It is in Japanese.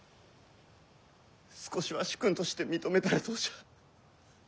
少しは主君として認めたらどうじゃ。